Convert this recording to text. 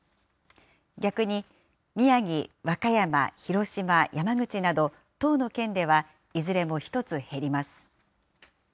逆に宮城、和歌山、広島、山口など１０の県ではいずれも１つ減ります。